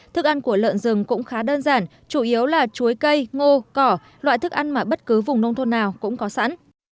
thức ăn của lợn rừng cũng khá đơn giản chủ yếu là chuối cây ngô cỏ loại thức ăn mà bất cứ vùng nông thôn nào cũng có sẵn